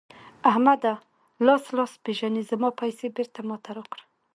احمده؛ لاس لاس پېژني ـ زما پيسې بېرته ما ته راکړه.